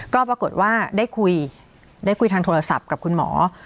ก็ปรากฏว่าได้คุยได้คุยทางโทรศัพท์กับคุณหมอ